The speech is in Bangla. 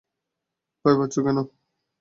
ভয় পাচ্ছো কেন?